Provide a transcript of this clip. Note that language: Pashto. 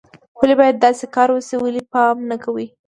ولې باید داسې کار وشي، ولې پام نه کوئ